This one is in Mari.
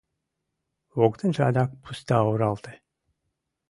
Воктенже адак пуста оралте.